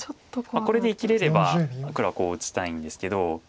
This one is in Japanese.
これで生きれれば黒はこう打ちたいんですけど。